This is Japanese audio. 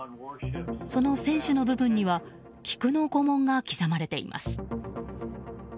その船首の部分には菊の御紋が刻まれています。